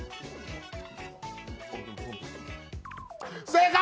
正解！